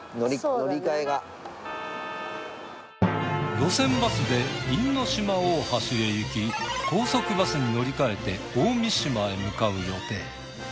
路線バスで因島大橋へ行き高速バスに乗り換えて大三島へ向かう予定。